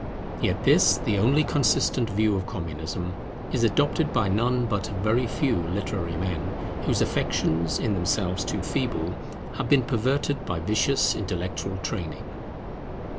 Yet this, the only consistent view of Communism, is adopted by none but a very few literary men, whose affections, in themselves too feeble, have been perverted by vicious intellectual training.